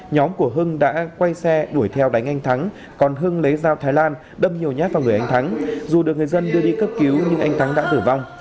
nhóm của hưng đã quay xe đuổi theo đánh anh thắng còn hưng lấy dao thái lan đâm nhiều nhát vào người anh thắng dù được người dân đưa đi cấp cứu nhưng anh thắng đã tử vong